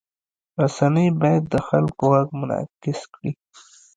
رسنۍ باید د خلکو غږ منعکس کړي.